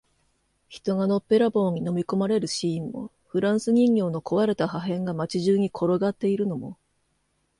人がのっぺらぼうに飲み込まれるシーンも、フランス人形の壊れた破片が街中に転がっているのも、